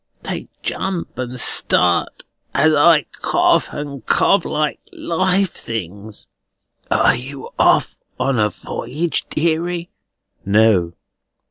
They jump and start, as I cough and cough, like live things. Are you off a voyage, deary?" "No."